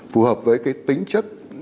phù hợp với tính chất